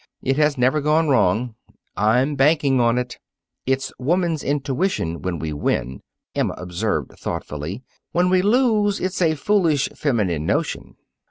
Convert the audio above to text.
It has never gone wrong. I'm banking on it. "It's woman's intuition when we win," Emma observed, thoughtfully. "When we lose it's a foolish, feminine notion."